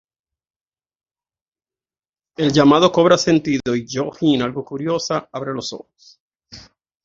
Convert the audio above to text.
El llamado cobra sentido, y Yoo-Jin, algo curiosa, abre los ojos.